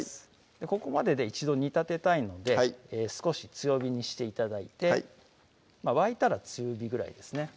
ここまでで一度煮立てたいので少し強火にして頂いてはい沸いたら中火ぐらいですね